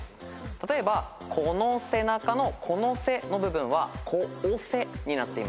例えば「この背中」の「このせ」の部分は「こおせ」になっていますよね。